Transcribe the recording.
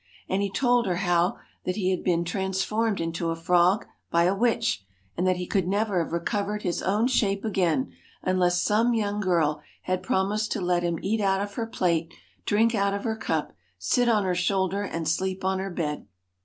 And he told her how that he had been transformed into a frog by a witch, and that he could never have recovered his own shape again, unless some young girl had promised to let him eat out of her plate, drink out of her cup, sit on her shoulder, and sleep on her bed.